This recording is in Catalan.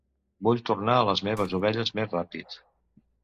Vull tornar a les meves ovelles més ràpid.